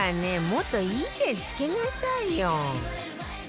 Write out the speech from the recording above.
もっといい点つけなさいよ